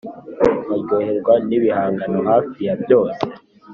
waryoherwa n’ibihangano hafi ya byose